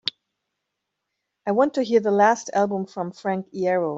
I want to hear the last album from Frank Iero